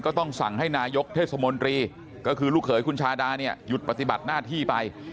ต้องสั่งให้นายกเทศมนตรีก็คือลูกเขยคุณชาดาเนี่ยหยุดปฏิบัติหน้าที่ไป